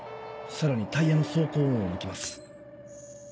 さらにタイヤの走行音を抜きます。